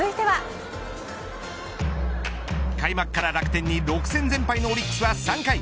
開幕から楽天に６戦全敗のオリックスは３回。